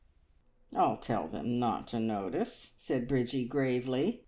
"I'll tell them not to notice," said Bridgie gravely.